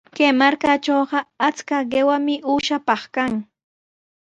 Kay markatrawqa achka qiwami uushapaq kan.